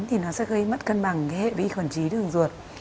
thì nó sẽ gây mất cân bằng hệ vị khuẩn trí đường ruột